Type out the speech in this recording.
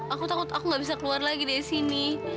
aku takut aku gak bisa keluar lagi disini